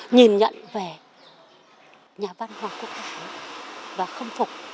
nhìn nhận về nhà văn hóa quốc tế và khâm phục